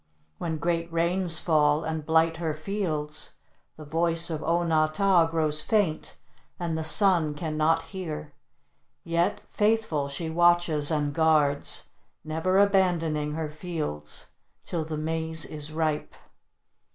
When great rains fall and blight her fields the voice of O na tah grows faint and the Sun can not hear. Yet faithful she watches and guards, never abandoning her fields till the maize is ripe.